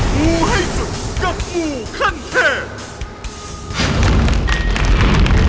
มูให้สุดกับมูขั้นแพง